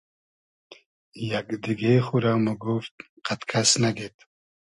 یئگ دیگې خورۂ موگوفت قئد کئس نئگید